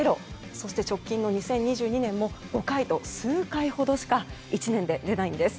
そして、直近の２０２２年も５回と数回ほどしか１年で出ないんです。